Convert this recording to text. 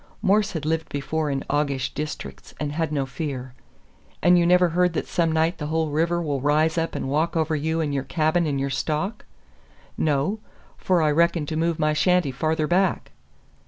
Morse had lived before in aguish districts, and had no fear. "And you never heard that some night the whole river will rise up and walk over you and your cabin and your stock?" "No. For I reckon to move my shanty farther back."